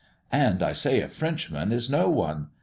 "And I say a Frenchman is no one.